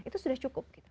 itu sudah cukup